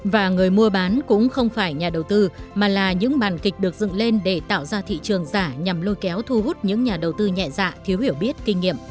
và người mua bán cũng không phải nhà đầu tư mà là những màn kịch được dựng lên để tạo ra thị trường giả nhằm lôi kéo thu hút những nhà đầu tư nhẹ dạ thiếu hiểu biết kinh nghiệm